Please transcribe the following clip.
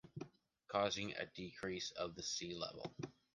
Causing a decrease of the sea level.